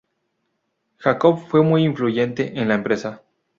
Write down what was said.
Jakob fue muy influyente en la empresa.